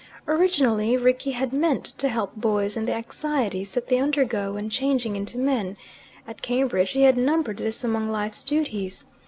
Originally Rickie had meant to help boys in the anxieties that they undergo when changing into men: at Cambridge he had numbered this among life's duties.